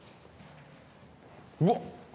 うわっ。